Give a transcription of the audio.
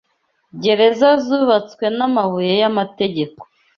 Gereza zubatswe n'amabuye y'amategeko